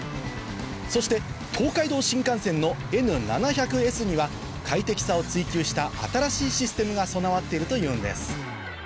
そして東海道新幹線のＮ７００Ｓには快適さを追求した新しいシステムが備わっているというんです